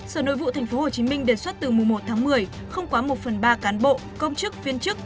sở nội vụ tp hcm đề xuất từ mùa một tháng một mươi không quá một phần ba cán bộ công chức viên chức